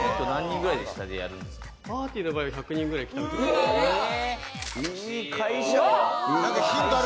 パーティーの場合は１００人くらい来たことある。